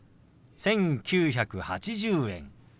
「１９８０円」。